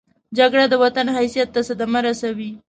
جګړه د وطن حیثیت ته صدمه رسوي